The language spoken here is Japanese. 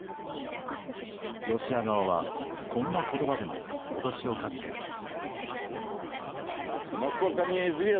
ロシア側は、こんな言葉でも脅しをかけています。